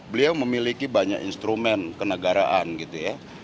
beliau memiliki banyak instrumen kenegaraan gitu ya